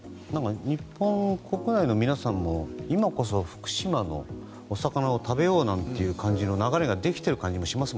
日本国内の皆さんも今こそ福島のお魚を食べようという感じの流れもできている感じもします